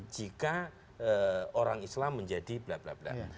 jika orang islam menjadi bla bla bla